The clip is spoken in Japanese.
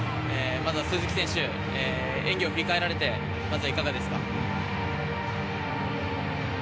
まずは鈴木選手演技を振り返られてまずいかがですか？